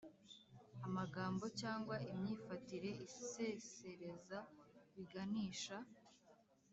Amagambo cyangwa imyifatire isesereza biganisha